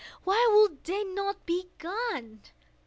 Why would they not be gone?